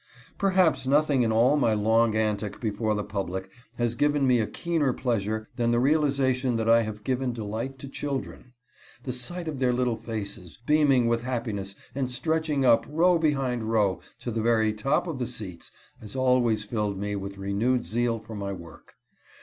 Perhaps nothing in all my long antic before the public has given me a keener pleasure than the realization that I have given delight to children. The sight of their little faces, beaming with happiness and stretching up, row behind row, to the very top of the seats, has always filled me with renewed zeal for my work.